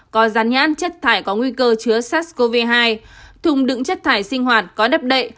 có rán nhãn chất thải có nguy cơ chứa sars cov hai thùng đựng chất thải sinh hoạt có đắp đậy